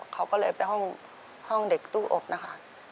เขาก็เลยไปห้องเด็กตู้อบนะคะ